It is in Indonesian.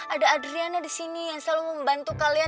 ada adriana disini yang selalu membantu kalian